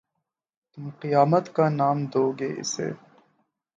تم قیامت کا نام دو گے اِسے